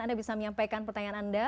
anda bisa menyampaikan pertanyaan anda